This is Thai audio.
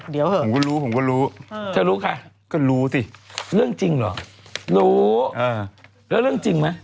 เดี๋ยวมันจะเข้าตัวน้อย